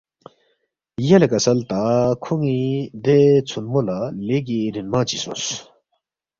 یلے کسل تا کھون٘ی دے ژھونمو لہ لیگی رِن منگ چی سونگس